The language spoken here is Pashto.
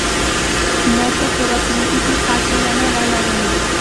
موږ به په راتلونکي کې ښه ټولنه ولرو.